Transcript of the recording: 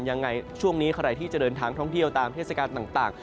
ยังไงช่วงนี้ใครที่จะเดินทางท่องเที่ยวตามเทศกาลต่าง